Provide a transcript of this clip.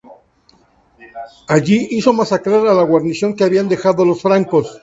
Allí, hizo masacrar a la guarnición que habían dejado los francos.